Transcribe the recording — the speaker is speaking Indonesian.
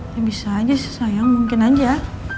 ya bisa aja sih sayang mungkin aja